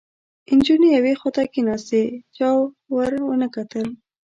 نجونې یوې خواته کېناستې، چا ور ونه کتل